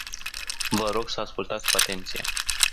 Vă rog să ascultați cu atenție.